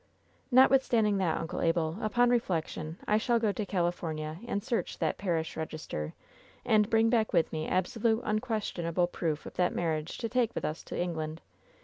"Notwithstanding that. Uncle Abel, upon reflection, I shall go to California and search that parish register and bring back with me absolute, unquestionable proof of that marriage to take with us to England.